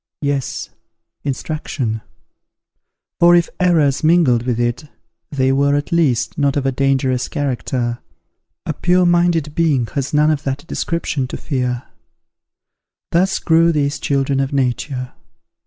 Yes, instruction; for if errors mingled with it, they were, at least, not of a dangerous character. A pure minded being has none of that description to fear. Thus grew these children of nature.